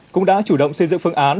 cũng đã chủ động xây dựng phương án